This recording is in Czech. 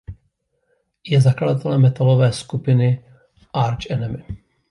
Je zakladatelem metalové skupiny Arch Enemy.